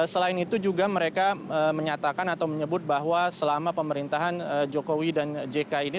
selain itu juga mereka menyatakan atau menyebut bahwa selama pemerintahan jokowi dan jk ini